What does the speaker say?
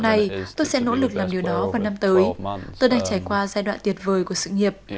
hôm nay tôi sẽ nỗ lực làm điều đó vào năm tới tôi đang trải qua giai đoạn tuyệt vời của sự nghiệp